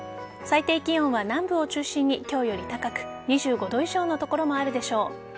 最低気温は南部を中心に今日より高く２５度以上の所もあるでしょう。